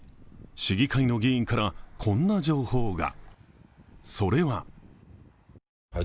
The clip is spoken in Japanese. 市議会の議員からこんな情報が。